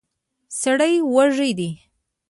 سړی وږی دی.